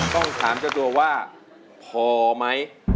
ต้องถามตัวว่าพอมั้ย